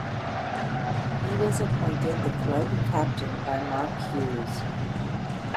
He was appointed the club captain by Mark Hughes.